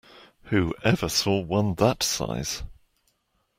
Who ever saw one that size?